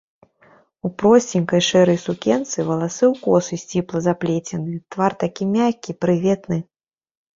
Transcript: У просценькай шэрай сукенцы, валасы ў косы сціпла заплецены, твар такі мяккі, прыветны.